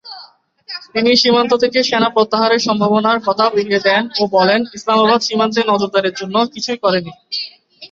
তিনি সীমান্ত থেকে সেনা প্রত্যাহারের সম্ভাবনার কথা উড়িয়ে দেন ও বলেন, ইসলামাবাদ সীমান্তে নজরদারির জন্য কিছুই করেনি।